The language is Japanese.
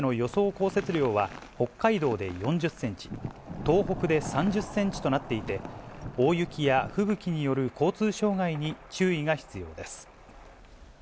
降雪量は、北海道で４０センチ、東北で３０センチとなっていて、大雪や吹雪による交通障害に注意が必要です。